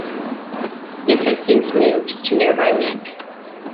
This has since moved to nearby Leek.